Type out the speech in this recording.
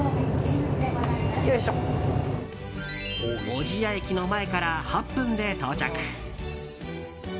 小千谷駅の前から８分で到着。